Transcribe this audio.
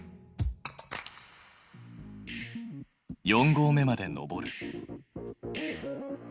四合目まで登る。